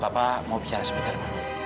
papa mau bicara sebentar ma